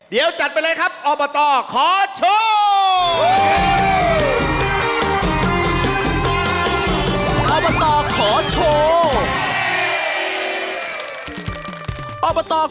เดี๋ยวจัดไปเลยครับอบตขอโชค